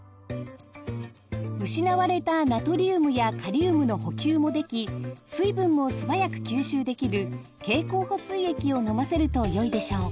失われたナトリウムやカリウムの補給もでき水分も素早く吸収できる経口補水液を飲ませるとよいでしょう。